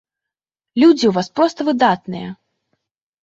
Людзі ў вас проста выдатныя!